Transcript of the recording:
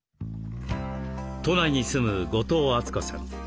都内に住む後藤敦子さん。